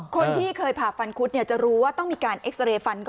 คนที่เคยผ่าฟันคุดจะรู้ว่าต้องมีการเอ็กซาเรย์ฟันก่อน